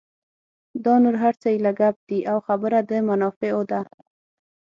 دا نور هر څه ایله ګپ دي او خبره د منافعو ده.